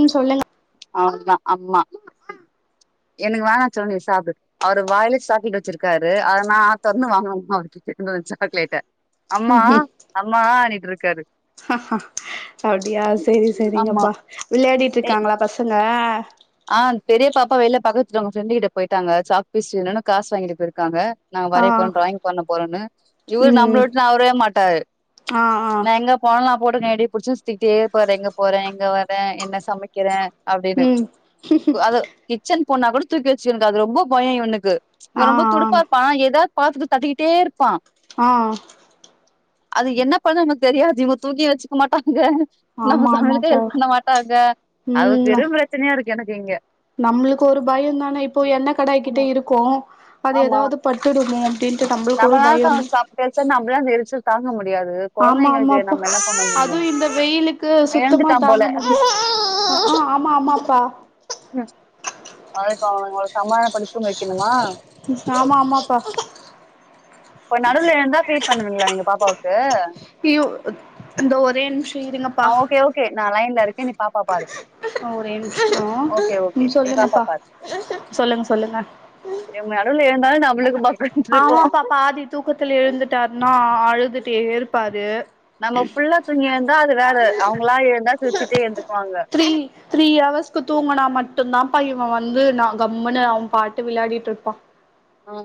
உம் சொல்லுங்க ஆம்மா அம்மா எனக்கு வேணா செல்லோம் நீ சாப்டு அவரு வாய்ல சாக்லேட் வச்சிருக்காரு நா ஆ தொறந்து வாங்குவமா அவருக்கு சாக்லேட்ட அம்மா அம்மா அனிட்டு இரு கரெட் ஹஹ அப்படியா சரி ஆமா சரிங்கப்பா விளையாடிட்டு ஏ இருக்காங்களா பசங்க ஆ பெரிய பாப்பா வெளில பக்கத்துட்டுங்கஃப்ரெண்டு கிட்ட போய்டிட்டாங்க சாக்பீஸ் இல்லனு காசு வாங்கிட்டு போயிருக்காங்க நா ஆ வரைய போறேன் டிராயிங் பண்ண போறன்னு இவரு நம்மள ம் விட்டு நவரவே மாட்டாரு ஆ ஆ நான் எங்க போனா கூட நைட்டிய புடிச்சி சுத்திட்டே இருப்பாரு எங்க போறன் எங்க வரேன் என்ன சமைக்கிறேன் அப்டின்னு ம் அது கிச் ச்சன் போனா கூட தூக்கி வச்சி இருக்கு அது ரொம்ப பயம் இவனுக்கு ஆ ரொம்ப துடுப்பா ஆ இருப்பான் எதாது பாத்துரத்த தட்டிக்கிட்டே இருப்பான் ஆஹ் அது என்ன பண்ண எனக்கு தெரியாது இவ தூங்கி வச்சுக்க மாட்டா நம்ம ஆமா சமையழுக்கு ஆமாப்பா ஹெல்ப் பண்ண மாட்டாங்க அது ம் பெரும் பிரச்சனையா இருக் எனக்கு எங்க நம்மளுக்கு ஒரு பயம் தானே இப்போ எண்ண ஆமா கடாய்கிட்டே இருக்கோ அது ஆமா எதாவது பட்டுமோ அப்படின்ட்டு நம்மளுக்கு ஒரு நம்மளால பயம் சாப்ட்டு வச்சா நம்மளா அந்த எரிச்சல் தாங்க மாட் ஆமா ஆமாப்பா அதுவும் இந்த வெயிலுக்கு சுத்தமா எழுந்துட்டான் போல தாங்க முடியும் ஆமா ஆமாப்பா ம் அத இப்ப அவன சமதானப்படுத்தி தூங்க வைக்கணுமா ஆமா ஆமாப்பா இப்ப நடுவுல எழுந்தா ஃபீட் பண்ணுவீங்ளா நீங்க பாப்பாவுக்கு அய்யயோ இந்த ஒரே நிம்சோ இருங்கப்ப ஆ ஓகே ஓகே நா லைன்ல இருக்கே நீ பாப்பா பாரு ஒரே நிம்சோ ஓகே ஓகே உம் நீ பாப்பா சொல்லுங்கப்பா பாரு சொல்லுங்க சொல்லுங்க இவங்க நடுவுல எழுந்தாலு நம்மளுக்கு பக்குனு இருக்கு ஆமாப்பா பாதி தூக்கத்ல எழுந்துட்டார்னா அழுதுட்டே ப்பாது நம்ம ஃபுல்லா தூங்கி எழுந்தா அது வேற அவுங்ளா எழுந்தா சிரிச்சிட்டே எந்துக்வாங்க த்ரீ அய்யோ இவ வந்து கம்ன்னு அவ பாட்டு விளாடிட்டு இருப்பா ஹ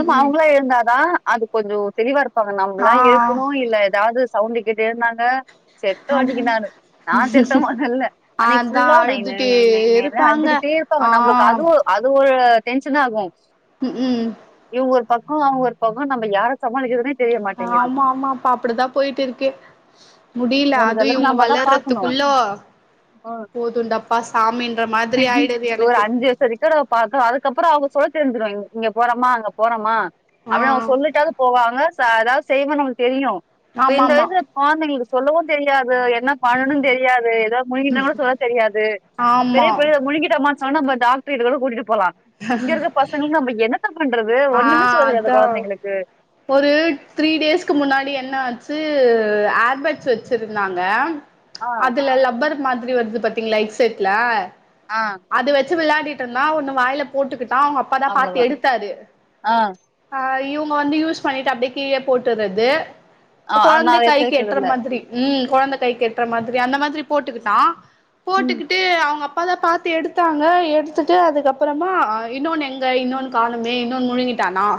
ம் ம் அவங்ளா எழுந்தாதா அது கொஞ்சோ தெளிவா இருப் ப்பாங்க ஆ நமல்லா எழுப்னோ இல்ல ஏதாவது சவுண்ட கேட்டு எழுந்தாங்க செத்தோ அன்னைக்கு ஆம் நானு நா செத்த மொதல்ல அன்னைக்கு அதா புல்லா நை நை அழுதுட்டே நை நை நை இருப்பாங்க அழுதுகிட்டே இருப்பாங்க ஆ நம்ளுக்கு அது அது ஒரு டென்ஷன் ஆகு உம் உம் க ஒரு பக்கோ அவுங்க ஒரு பக்ககோ நம்ம யார சாமாளிக்றதுணே ஆமா ஆமா ப்பா அப்டிதா போய்ட்டு இருக்கு முடில அவுங்ளுக்கு அது எல்லாத்தையு இவங்க நம்மதா பாக்ணு வளர்றதுக்குள்ள உஹ் போதுண்டப்பா சாமின்ற மாதிரி ஆயிடுது ஒரு எனக்கு அஞ்சு வயசு வரைக்கு நம்ம பாக்கனு அதுக்கப்ரோ அவுங்க சொல்ல தெரிஞ்சிருவாங்க இங்க போறமா அங்க போறோமா அப்டின்னு அவுங்க ஆ சொல்லிட்டாவுது போவாங்க அதாது செய்வே நம்லுக்கு தெரியு இப்ப இந்த ஆமாமா ஆமா வயசு கொழந்தைங்களு சொல்லவு தெரியாது என்ன பண்ணனு தெரியாது ஏதாவது முழுங்கிட்டா கூட சொல்ல தெரியாது பெரிய ஆமா பெரிய முழுங்கிட்டமா சொன்ன நம்ம டாக்டர் கிட்ட கூட கூட்டிட்டு போல போலா இங்க இருக்க பசங்ளுக்கு நம் என்னத்த பண்ண ஆஹ் அதா ஒரு த்ரீ டேஸ்கு முன்னாடி என்ன ஆச்சு ஏர்பட்ஸ் வச்சிருந்தாங்க ஆ அதுல லப்பர் மாதிரி வருது பாத்தீங்ளா ஹெட் செட்ல ஆ அது வச்சு விளாடிட்டு தா ஒன்னு வாய்ல போட்டுக்கிட் அதா அவுங்க அப்பாதா பாத்து எடுத்தாரு ஆஹ் ஆ இவுங்க வந்து யூஸ் பண்ணிட்டு அப்டியே கீழே போட்டுறது ஆ நா குழந்தை அத கை எடுத்து வைக்கிறது கேட்டுற இல்ல மாதிரி உம் குழந்தை கை கட்டுற மாதிரி அந்த மாதிரி போட்டுக்கிட்டான் ம் போட்டுக்கிட்டு அவுங்க அப்போ அத பாத்து எடுத்தாங்க எடுத்துட்டு அதுக்கப்புறமா இன்னொனு எங்க இன்னொனு காணமே இன்னொன்னு முழங்கிட்டானா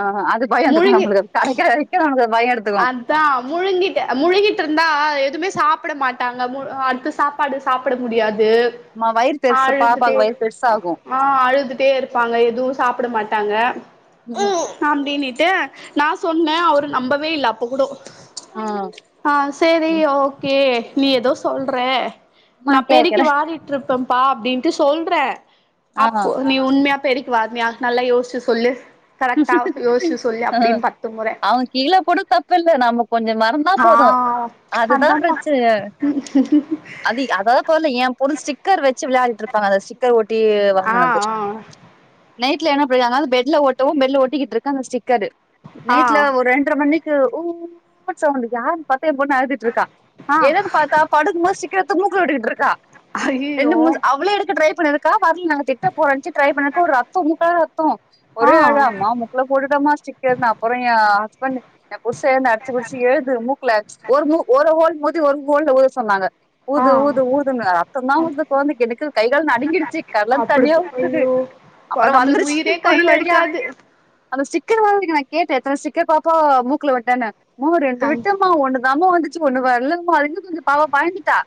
ஆ அது பயோ எடுத்துக்கு முழுங்கி நம்மளுக்கு கெடைக்கிற வரைக்கு நம்மளுக்கு அது பயோ எடுத்துக்கு அதான் முழுங்கிட்டு முழுங்கிட்டு இருந்தா எதுவுமே சாப்பிட மாட்டாங்க அடுத்து சாப்பாடு சாப்பிட முடியாது ஏப் மா வயிறு பெருசு அழுட்டே பாப்பாக்கு வயிறு பெருசாகு ஆஹ் அழுதுட்டே இருப்பாங்க எதுவும் சாப்பிட மாட்டே தாங்க ம் ஊம் நாம்டனிச் என் நான் சொன்னேன் அவர் நம்பவே இல்லை அப்போ கூட ஆ ஆஹ் சரி ஓகே நீ ஏதோ சொல்கற சும்மா நான் பெருக்கு கேக்குறே வாடிட்டு இருப் இப்பப்பா அப்படின்ட்டு சொல்ற ஆ அ நீ உமே பெருக்கி வாரனியா நல்ல யோசி சொல்லு சொல்லு ஹ் அப்டின்னு பத்து முற அவங்க கீழே போடும் தப்பு இல்ல நம்ம கொஞ்சம் மரந்தான் ஆ போதும் அதுதான் அதான்ப்பா பிரச்சனை அது அததான் போரல என் பொதும் ஸ்டிக்கர் வச்ச விளாடிட்டு இருப்பா அதை த்தை ஓட்டி ஆ வாங்கினது ஆ நைடல என்ன பா பெட்ல ஓ மல்ல ட்டிட்டு இருக்க அந்த சி இருக்காரு ஆ நைட்ல ஒரு இண்டரை மணிக்கு ஓவர் சவுண்டு யாரு ப அருதிட்டு இருக்கா ஆ ஏனன்னு பார்த்தா படுகுமோது சீக்கிரத்த மு ட்டுக்கிட்டு இருக்கா ரெண்டு ஐயயோ மூ அவ்ளோ எடுக்கே ட்ரை போதுக்கா பால நாங்க திட்ட போறந்துச்சு ட்ரை பண்ணற ஒரு ரத்தம் முக்கள ரத்தம் ஒ ஆ ஆழ அம்மா முக்குள போட்டுட்டமாஸ்டிக்கர் அப்புறம் என்ன் ஆஹஸ்பெண்டு உஷ அடிச்சுபடிச்ச எழுது மூக்கல ஒரு [unintelligible] தி ஒரு கோல்ல ஊத சொன்னாங்க ஆ ஊது ஊது ஊது ரத்த தா குழந்தக்கி எனக்கு கை கால் நடுங்கிடுச்சு கன்லந் அப்படி தன்னியா ஊத்துது ஐயோ அப்றோ நம்மளுக்கு வந்துருச்சு உயிரே போன கையில வழி கா இருக்காது அங்க சிக்கன வீங்கி எத்தன சீக்கர் பாப்பா மூக்ல விட்டான சும்மா ரெண்டு அந்த விட்டமா ஒண்ணுதாம வந்துச் ச்சி ஒன்னு வரலங்மாலுமே கொஞ்சோ பாவ பயந்துட் டா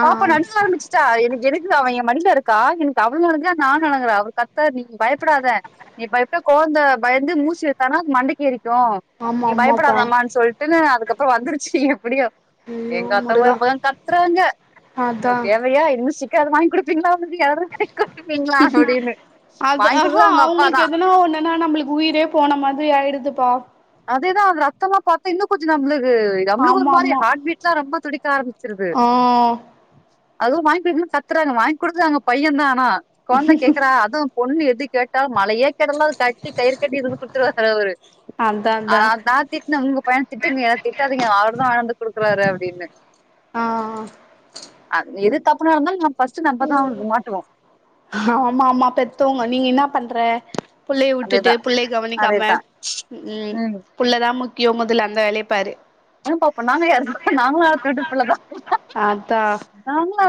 ஆ பாப்பா நடுங்க ஆரம்பிச்சிட்டா எனக் எனக் இல்ல அவ ஏ மடில இருக்கா எனக்கு அவளு அழுங்குறா நானு அழுங்குற அவள் கத்த நீ பயப்படாத நீ பயப் ட்டா கொழந்த பயந்து மூச்சு இழுத்தானா அது மண்டக்கி ஏறி டும் ஆமா நீ ஆமாப்பா பயப்படாதமானு சொல்ட்டுனு அதுக்கப்றோ வந்துருச்சு அப்டியா ஐயோ எங்க அத்த முருகா ஒரு பக்கம் கத்துறாங்க உங்ளுக்கு அதா இந்த தேவையா ஊசி கே அது வாங்கி குடுப்பீங்களா து யாரு கட்டுப்பீங்ளா அப்டினு வாங்கிக் குடுத்தது அவுங்க அப்பாதான் ஒன்னுனா நம்மளுக்கு உயிரே போன மாதிரி ஆயிடுது பா அதேதா அது ரத்தலா பாத்த இன்னு கொஞ்சோ நம்ள இது நம்ளுக்கு ஒரு ஆமா மாரி ஆமா ஹார்ட் பீட்லா ரொம்ப துடிப் க்க ஆரம்பிச்சிருது ஆ அதுவு வாங்கிட்டு வந்து கத்றாங்க வாங்கி குடுத்தது அவுங்க பையன்தா ஆனா கொழந்த கேக்றா அதுவு பொண்ணு எது கேட்டா மலையே கேட்டாலு அது கட்டி கயிற் கட்டி இதுனு குடுத்துருவாரு அவரு அதா திட்ன உங்க பையன திட்டுங்க ஏ திட்டாதிங்க அவர் தா வாந்து குடுக்கறாரு அப்டினு ஆ ஆ தப்பு நடந்தாலு நம் ஆமாமா பெத்தோவோங்க நீ இங்க என்னா பண்ற புள்ளைய உட்டுட்டு அதேதான் புள்ளைய கவனிக்காம அதேதான் ம் புள்ளதா முக் போய் மொதல்ல அந்த வேலய பாரு என்ன பாப்பா நாங்க யாரு நாங்களு அடுத்தவீட்டு புள்ளதா அதா நாங்களு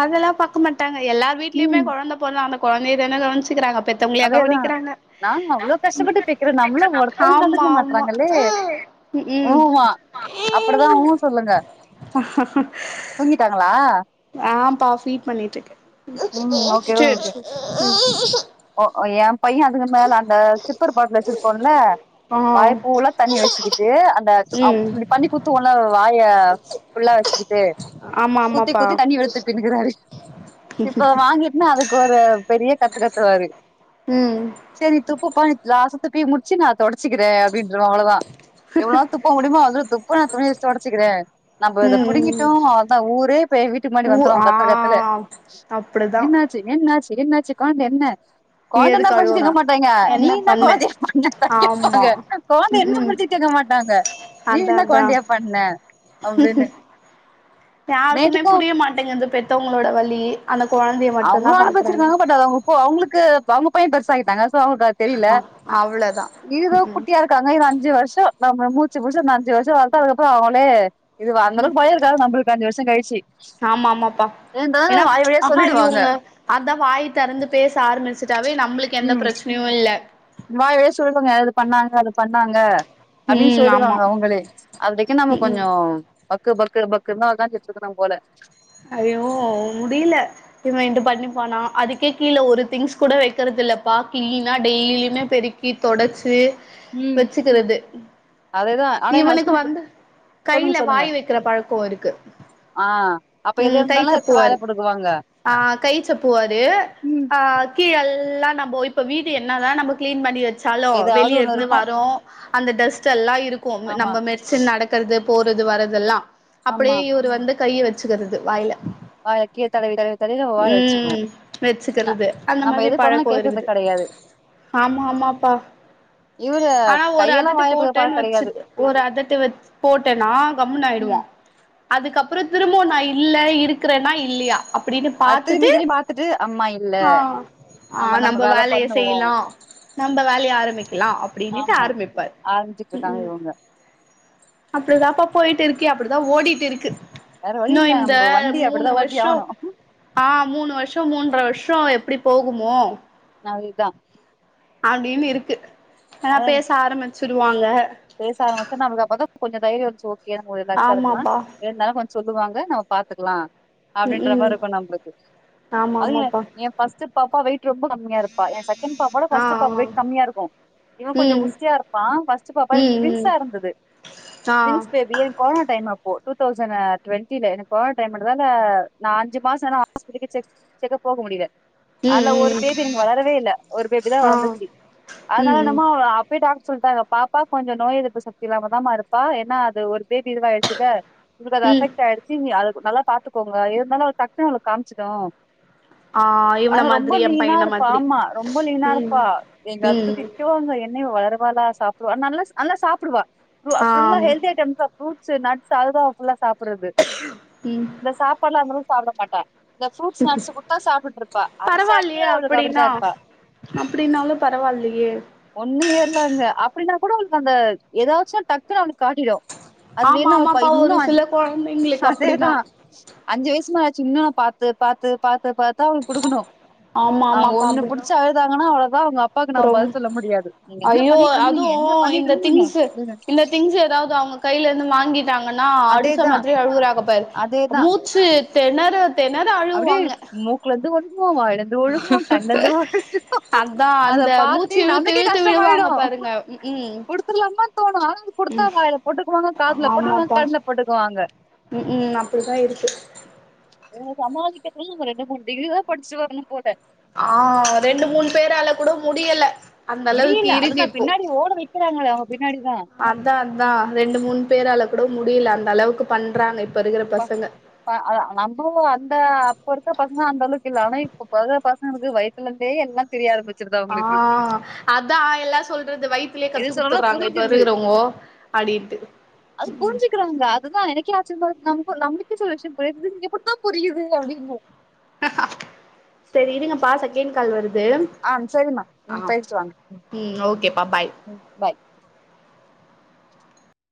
அதெல்லா பாக்க மாட்டாங்க எல்லா வீட்லயுமே ம் கொழந்த பொறந்தா அந்த கொ கொழந்தயதானே கவனிச்சிக்கிறாங்க பெத்தவங்களேய அதேதான் கவனிக்கிறாங்க நாங்க அவ்வளவு கஷ்டப்பட்டு பேக்கிறோம் நம்மளும் ஒருத்தவங்க ஆமா கண்டுக்க ஆமா மாட்றாங்களே உ உம் ஆமா அப்படிதான் ஊ சொல்லுங்க தூங்கிட்டாங்களா ஃபீட் பண்ணிட்ருக்கே சேர் சேரி ஒ ஓ ஏம் பைய அதுக்கு மேல அந்த சிப்பர் பாட்டுல வெச்சிருக்கோல்ல ஆ வாய பூல தண்ணி வெச்சிகீட்டு அந்த ஆல் ம் இப்டி பண்ணி குத்து வாய ஃபுல்லா வெச்சிக்கிட்டு ஆமா குத்தி ஆமாப்பா குத்தி தண்ணி வெலு துப்பினிக்குராரு இப்ப வாங்கிட்னா அதுக்கு ஒரு பெரிய கத்து கத் சரி ம் செரி துப்புபா நீ லாச துப்பி முடிச்சி நா தொடச்சிகிற அப்டின்றவ அவ்ளோதா எவ்ளோ துப்ப முடியுமோ அத து ப்ப நா துணி தொடச்சிக்கிறே நம்ம இதை ம் புடிங்கிட்டோ அதா ஊரே பேய் வீட்டுக்கு முன்னாடி ஊ வந்துரு ஆ கத்துரகத்துல அப்டிதா என்னாச்சு என்னாச்சி என்னாசிகான்டு என்ன நீ கொழந்தே என்னா எதுக்கு படிச்சு கேக்க அழுவுறா மாட்டாங்க நீ என்ன குழந்தைய பண்ண ஆமா தக்கிப்பாங்க குழந்தை ம் என்ன ம் படிச்சு கேக்க மாட்டாங்க நீ அதா என்ன அதா குழந்தையா பண்ண அப்டின்னு யாருக்குமே புரிய மாட்டேங்கது பெத்தவங்களோட வலி அந்த கொழந்தேய அவுங்களு அனுபச்சிருக்காங்க பட் அது அவங்க இப்ப அவுங்குளுக்கு அவுங்க பைய பெர்சாயிட்டாங்க சோ அவுங்களுக்கு அது தெரியல ஆ அவ்ளதா இரு ம் ம் குட்டியா இருக்குறாங்க இவ அஞ்சு வருஷோ நம்ம மூச்சு புடுச்சு இன்னு அஞ்சு வருஷோ வளத்தா அதுக்கப்றோ அவுங்களே இதுவா அந்தளவுக்கு பய இருக்காது நம்முளுக்கு அஞ்சு வருஷோ கழிச்சு ஏ இந்த வாய வழியாஸ் ஹ இவங்க அதா வாய் திறந்து பேச ஆரம்பிச்சுடாவே நம்மளுக்கு எந்த ம் பிரச்சனையு இல்ல வாய் வழியா சொல்லுவாங்க அது பண்ணாங்க அப்டின்னு ம் ஆமா சொல்லுவாங்க அவுங்களே அது வரேக்கு நம்ம ம் ம் கொஞ்சோ பக்கு பக்கு பக்கு தா உக்காந்து இருந்துருக்குனு போல ஐயோ முடியல இவன் இந்து பண்ணிப்பானா அதுக்கே கீழே ஒரு திங்ஸ் கூட வெக்கறதில்ல பாக் கிழீனா டெய்லியுமே பெருக்கி தொடேச்சு ம் வச்சுக்கிறது அதேதான். ஆனா எங்க இவனுக்கு ஹஸ்பண்ட் வந்து சொல்லுங்க, கையில சொல்லுங்க. வாய் வெக்கிற பழக்கோ இருக்கு ஆ அப்ப எது உம் இருந்தாலும் எடுத்து வாயில கைச்சப்புவாரு போட்டுக்குவாங்க. ஆஹ கைச்சப்புவாரு ம். ஆஹ கீழல் ல்லா நம்ம இப்ப வீடு என்ன தா நம்ம கிளீன் பண்ணி வெ சலோ ஏதாவது வெளியே ஒண்ணு இருந்து இருக்கும். வரு அந்த டஸ்ட் எல்லா இரு இருக்கு ஆமா, நம்ம மெடிசன் நடக்குர்து போறது வரதெல்லா ஆமா. அப்டியே இவரு வந்து கைய வெச்சுக்கறது வாய்ல வாயில கீழ தடவி, தடவி, தடவி நம்ம வாயில வச்சுக்குவோம். உம் ந வச்சுக்கிறது அந்த நம்ம மாதிரி எது பண்ணாலும் பழக்கம் கேட்கறது இருக்குது கெடையாது. ஆமா ஆமாப்பா இவரு ஆனா ஒரு கையெல்லாம் அதட்டு வாயில போடுற பழக்கம் போட்டேன்னு வச்சு கெடையாது. ஒரு அதட்டு வ போட்டேன்னா கம்முனு ம். ஆயிடுவோன் அதுக்கப்றோ திரும்பவு நை இல்ல இருக்கறனா இல்லையா அப் அப்டின்னு அது பாத்துட்டு திரும்பி, திரும்பி பாத்துட்டு, அம்மா இல்ல. ஆ ஆ நம்ம நம்ம நம்ப வேல வேலய பண்ணுவோம். செய்லா நம்ப வேலய ஆரம்பிக்கலா அப்டின்னுட்டு ஆமா. ஆரம்பிப்பார் ஆரம்பிச்சுட்டு ம்ஹூ இருக்காங்க இவங்க. அப்டிதாப்பா போயிட்டு இருக்கு அப்டிதா ஓடிட்டு இருக்கு வேற வழி இன்னு இல்ல. இந்த நம்ம வண்டி மூணு அப்படிதான் ஓட்டி வருஷோ ஆவணும். ஆ மூணு வருஷோ மூன்ற வருஷோ எப்டி போகுமோ அதுதா அப்டின்னு இருக்கு ஆனா பேச ஆரம் பிச்சுருவாங்க பேச ஆரம்பிச்சா நமக்கு அப்பதா கொஞ்சோ தைரியோ வஞ்சோ [unintelligible] ரிலாக்ஸா இருக்கலா ஆமாப்பா இருந்தாலு கொஞ் சொல்லுவாங்க நம்ம பாத்துக்கலா ம் அப்டின்ற மாரி ம் இருக்கு நம்பளுக்கு ஆமா அது என் ஆமாப்பா என் ஃபர்ஸ்ட் பாப்பா வெ ரொம்ப கம்மியாப்பா ஏ செக்கென் பாப்போட ஆ ஃபஸ்ட்டு பாப்ப ஆ வெய்ட் கம்மியாருக்கு இவ கொஞ்ச ம் குஸ்தியா இருப்பா ஃபஸ் பப்பா எனுக் ம் ம் ட்வின்ஸா இருந்தது ஆ ரிங்ஸ் பேபி ஏ கொழனா டைம் அப் டூ தௌசண் அ ட்வெண்டில எனக் கோழ டைம்ன்டதால நா அஞ்சி மாசனா [inaudible] செக் செக்கப் போக முடியில ம் அல ஒரு ம் பேபி எனுகு வளரவே இல்ல ஒரு பேபி தா ஆ வளந்துச்சு அதுனால ம் ம் நம்மோ பெய் டாகுட் சொல்ட்டாங்க பாப்பா கொஞ்சொ நோய் எதிர்ப்பு சக்தி இல்லாமதாம்மாருப்பா ஏன்னா அது ஒரு பேபி இதுவாயிட்ச்சில உங்ளுக் அது ம் அஃபெக்ட் ஆயிட்ச்சி [unintelligible] நல்லா பாத்துக்கோங்க இருந்தாலு அவ்ளு டக்குனு அவ்ளுக் காம்ச்சிகு ஆ இவன ஆனா ரொம்ப மாதிரி என் லீனா பையன இருப்பா மாதிரி ஆம்மா ரொம்ப ம் லீனாருப்பா எங்க அத்த ம் திட்டுவாங்க என்ன இவ வளர வலா சாப் நல்லஸ் அன்லா சாப்புடுவா ரூ அ ஃபுல்லா ஆம் ஹெல்தி ஐட்டஸா ஃப்ரூட்ஸஸு நட்ஸு அதுதா ஃபுல்லா சாப் புறது ம் இந்த சாப்பாட்லா அந்தலு தாவுட மாட்டா இந்த ஃப்ரூட்ஸ் நட்ஸு குடுத்தா சாப்ட்டுட்ருப்பா அது சாப்டே பரவாயில்லையே அவுளுக் அப்புடிதா அப்டின்னா இர்ப்பா அப்டின்னாலு பரவாயில்லையே ஒன்னு ஏர்ல அங்க அப் பின்னா கூட உன்க் அந்த ஏதாச்சு டக்குனு அவ்ளுக் காட்டிடு அது ஆமா வேணா பாப்பா ஆமாப்பா இன்னு ஒரு சில கொழந்தைங்களுக்கு அதேதா அப்டிதா அஞ்சு வயசுமா சின்னவ பாத்து பாத்து பாத்து பத்து அவுங்க கொடுக்கணும் ஆமா அவுங்க ஆமாப்பா ஒண்ணு அப்டிதா புடிச்சு அழுதாங்கன்னா அவ்ளோ அவுங்க அப்பாக்கு நா பதில் சொல்ல முடியாது நீங்க என்ன பண்ணி தோ இந்த திங்ஸ் இந்த திங்ஸ் ஏதாவது அவுங்க கையில இருந்து வாங்கிட்டாங்கன்ன நா அடிச்ச அதேதா மாதிரி அழுவுரா [unintelligible] அதேதா மூச்சு தெனர தெனர அழுவாங்க கும் வாயிலந்து ஒழுகும் கண்ணந்து ஒழுகு அதா அத அந்த பாத்தி மூச்சு இழுத்து நம்மளுக்கே இழுத்து விழுவாங்க கஷ்டமாயிடும் பாருங்க ம் ம் கொடுத்துலாம தோணும் ஆனாது கொடுத்தா வாயில போட்டுக்குவாங்க காதுல போட்டுக்குவாங்க கண்ல போட்டுக்குவாங்க உம் உம் அப்படிதான் இருக்கு சம்பாதிக்கத்துல ஒரு ரெண்டு மூணுடிகிரி தான் படிச்சுட்டு வரணும் போல ஆஹ் ரெண்டு மூணு பேரால கூட முடியல அந்த அளவுக்கு முடியல இருக்கு அதுதா இப்போ பின்னாடி ஓட வைக்கிறாங்களே அவங்க பின்னாடிதா அதான் அதான் ரெண்டு மூணு பேர் அள கூட முடியல அந்த அளவுக்கு பண்றாங்க இப்ப இருக்கிற பசங்க [unintelligible] அந்த அப்போ இருக்க பசங்க அந்த அளவுக்கு இல்ல ஆனா இப்ப பசங்களுக்கு வயசுல இருந்தே எல்லா தெரியாரமிச்சி ஆஹ் அதான் எல்லா சொல்றது வை லே எது கத்து சொன்னாலும் குடுத்துறாங்கோ இப்ப புரிஞ்சிருது இருக்குறவுங்கோ அப்படின்ட்டு உம் நம் [unintelligible] நீங்க எப்படித்தான் புரியுது அப்படின்னும் சரி இருங்கப்பா செகேண்ட் கால் வருது ஆம் சரிமா ஆ ம் பேசிட்டுவாங்க ம் ஓகேப்பா பாய்